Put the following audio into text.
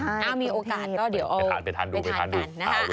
เอ้ามีโอกาสก็เดี๋ยวเอาไปทานดู